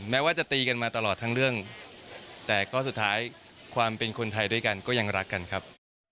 แม้ว่าจะตีกันมาตลอดทั้งเรื่องแต่ก็สุดท้ายความเป็นคนไทยด้วยกันก็ยังรักกันครับ